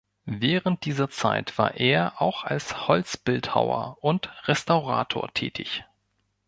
Während dieser Zeit war er auch als Holzbildhauer und Restaurator tätig.